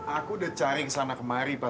aku udah cari kesana kemari pak